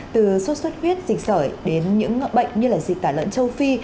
từ sốt xuất huyết dịch sởi đến những bệnh như dịch tả lợn châu phi